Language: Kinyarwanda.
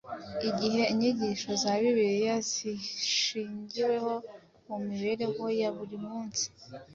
Igihe inyigisho za Bibiliya zishingiweho mu mibereho ya buri munsi,